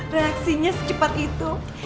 reaksinya secepat itu